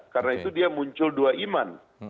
karena itu dia muncul dua iman